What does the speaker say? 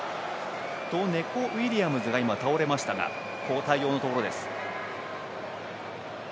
ネコ・ウィリアムズが倒れましたが交代のところです。